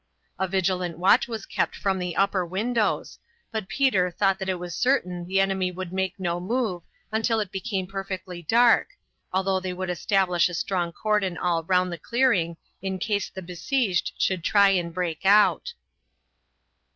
A vigilant watch was kept from the upper windows, but Peter thought that it was certain the enemy would make no move until it became perfectly dark, although they would establish a strong cordon all round the clearing in case the besieged should try and break out.